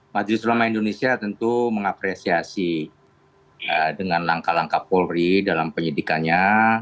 majelis ulama indonesia tentu mengapresiasi dengan langkah langkah polri dalam penyidikannya